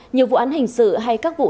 nhiều vụ án hình sự hay các vụ